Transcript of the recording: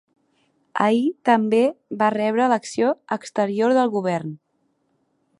Ahir també va rebre l’acció exterior del govern.